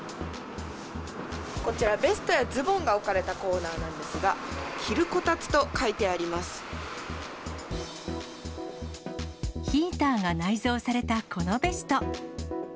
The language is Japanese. こちらベストやズボンが置かれたコーナーなんですが、ヒーターが内蔵されたこのベスト。